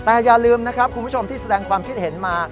แต่อย่าลืมนะครับคุณผู้ชมที่แสดงความคิดเห็นมา